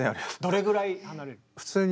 どれぐらい離れる？